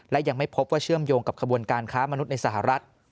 และยังไม่พบว่าเชื่อมโยงกับขบวนการค้ามนุษย์ในสหรัฐ